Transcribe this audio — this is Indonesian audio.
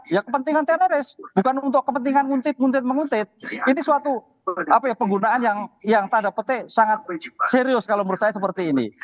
ya kepentingan teroris bukan untuk kepentingan muntit nguntit menguntit ini suatu penggunaan yang tanda petik sangat serius kalau menurut saya seperti ini